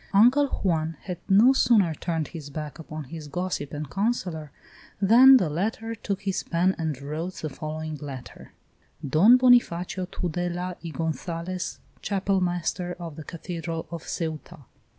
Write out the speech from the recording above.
IV. Uncle Juan had no sooner turned his back upon his gossip and counsellor than the latter took his pen and wrote the following letter: "Don Bonifacio Tudela y Gonzalez, Chapel master of the Cathedral of Ceuta.